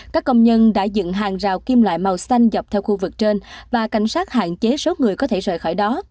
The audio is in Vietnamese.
các công nhân đã dựng hàng rào kim loại màu xanh dọc theo khu vực trên và cảnh sát hạn chế số người có thể rời khỏi đó